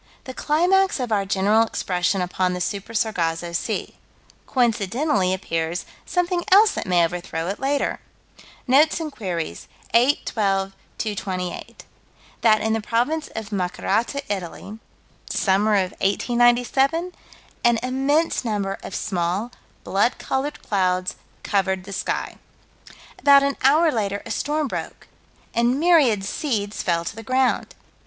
The climax of our general expression upon the Super Sargasso Sea. Coincidentally appears something else that may overthrow it later. Notes and Queries, 8 12 228: That in the province of Macerata, Italy (summer of 1897?) an immense number of small, blood colored clouds covered the sky. About an hour later a storm broke, and myriad seeds fell to the ground.